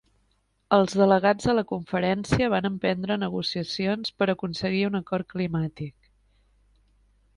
Els delegats de la conferència van emprendre negociacions per aconseguir un acord climàtic.